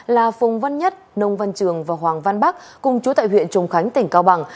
là phùng văn nhất nông văn trường và hoàng văn bắc cùng chú tại huyện trùng khánh tỉnh cao bằng